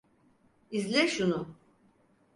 İzle şunu.